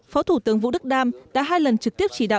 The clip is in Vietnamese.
phó thủ tướng vũ đức đam đã hai lần trực tiếp chỉ đạo